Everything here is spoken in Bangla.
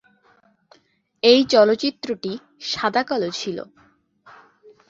এই চলচ্চিত্রটি সাদা কালো ছিল।